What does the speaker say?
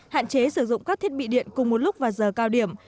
hạn chế sử dụng các thiết bị điện cùng một lúc vào giờ cao điểm